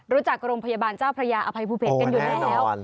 รู้จักโรงพยาบาลเจ้าพระยาอภัยภูเพชรกันอยู่แล้ว